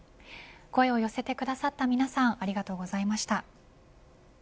声を寄せてくださった皆さんありがとうございました。